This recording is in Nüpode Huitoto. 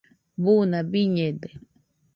buna biñede